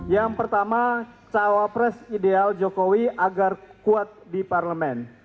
yang pertama cawapres ideal jokowi agar kuat di parlemen